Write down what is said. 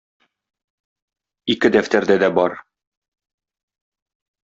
Ике дәфтәрдә дә бар.